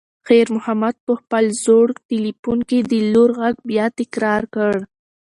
خیر محمد په خپل زوړ تلیفون کې د لور غږ بیا تکرار کړ.